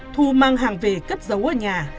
thu mang hàng về cất giấu ở nhà